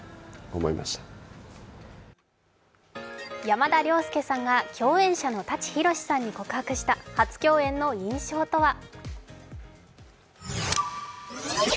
山田涼介が共演者の舘ひろしさんに告白した初共演の印象とは？